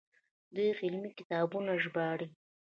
دوی علمي کتابونه ژباړي.